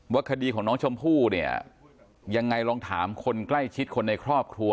คดีของน้องชมพู่เนี่ยยังไงลองถามคนใกล้ชิดคนในครอบครัว